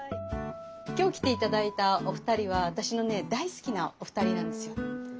今日来て頂いたお二人は私のね大好きなお二人なんですよ。